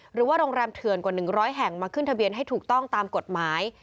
หรือว่าโรงแรมเถื่อนกว่า๑๐๐แห่งมาขึ้นทะเบียนให้ถูกต้องตามกฎหมาย